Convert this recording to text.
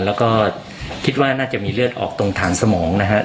แล้วก็คิดว่าน่าจะมีเลือดออกตรงฐานสมองนะฮะ